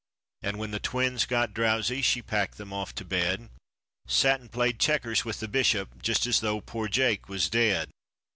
And when the twins got drowsy, she packed them off to bed, Sat and played checkers with the bishop, just as though poor Jake was dead.